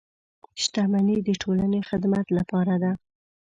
• شتمني د ټولنې د خدمت لپاره ده.